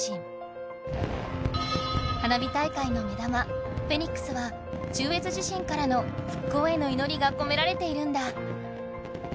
花火大会の目玉フェニックスは中越地震からのふっこうへのいのりがこめられているんだ。